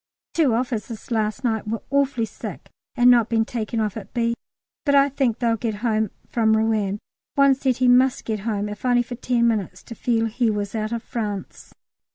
Two officers last night were awfully sick at not being taken off at B., but I think they'll get home from Rouen. One said he must get home, if only for ten minutes, to feel he was out of France.